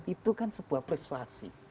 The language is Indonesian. itu kan sebuah persuasi